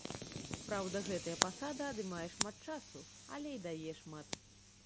Праўда, гэтая пасада адымае шмат часу, але і дае шмат.